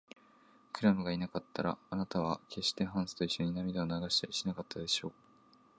クラムがいなかったら、あなたはけっしてハンスといっしょに涙を流したりしなかったでしょう。